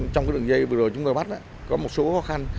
trong đường dây vừa rồi chúng tôi bắt có một số khó khăn